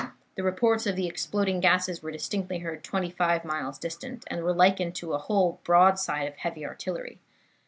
The reports of the exploding gases were distinctly heard twenty five miles distant, and were likened to a whole broadside of heavy artillery.